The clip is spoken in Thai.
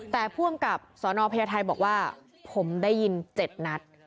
แต่ผู้อำกับสนพญาไทยบอกว่าผมได้ยิน๗นัด